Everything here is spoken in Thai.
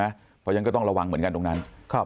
เพราะฉะนั้นก็ต้องระวังเหมือนกันตรงนั้น